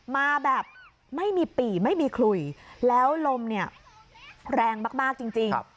มาแบบไม่มีปี่ไม่มีขลุยแล้วลมเนี่ยแรงมากจริง